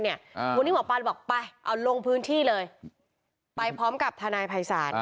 วันนี้หมอปลากี่บาทแบบลงพื้นที่เลยไปพร้อมกับธนายภัยสาร